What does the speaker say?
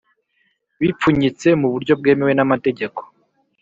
Bipfunyitse mu buryo bwemewe bituma